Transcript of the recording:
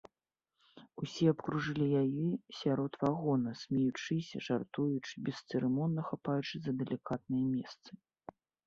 Усе абкружылі яе сярод вагона, смеючыся, жартуючы, бесцырымонна хапаючы за далікатныя месцы.